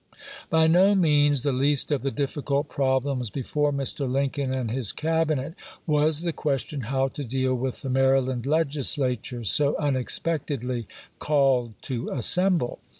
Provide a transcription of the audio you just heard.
By no means the least of the difficult problems before Mr. Lincoln and his Cabinet was the ques tion how to deal with the Maryland Legislature, so unexpectedly called to assemble.